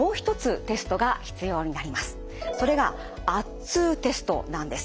それが圧痛テストなんです。